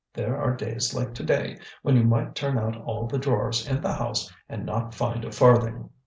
There are days like to day when you might turn out all the drawers in the house and not find a farthing."